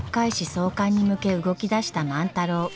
創刊に向け動き出した万太郎。